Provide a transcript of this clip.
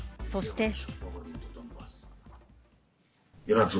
そして。